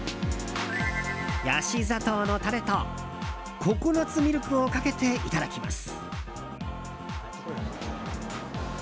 ヤシ砂糖のタレとココナツミルクをかけていただきます。